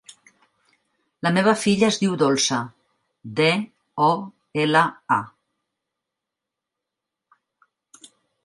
La meva filla es diu Dolça: de, o, ela, a.